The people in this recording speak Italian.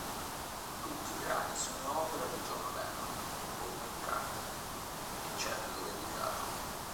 Tutti brani sono opera di John Lennon e Paul McCartney, eccetto dove indicato.